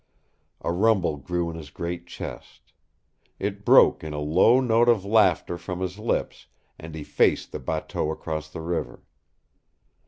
A rumble grew in his great chest. It broke in a low note of laughter from his lips, and he faced the bateau across the river.